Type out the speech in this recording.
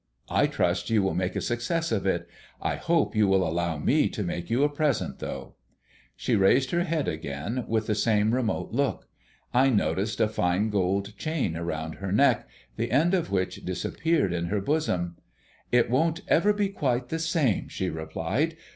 I trust you will make a success of it. I hope you will allow me to make you a present, though?" She raised her head again with the same remote look. I noticed a fine gold chain round her neck, the end of which disappeared in her bosom. "It won't ever be quite the same," she replied.